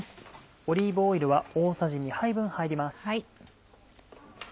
オリーブオイルは大さじ２杯分入ります。